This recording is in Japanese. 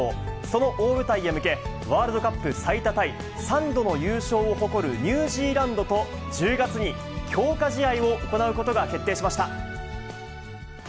その大舞台へ向け、ワールドカップ最多タイ、３度の優勝を誇るニュージーランドと、１０月に強化試合を行うことが決定しました。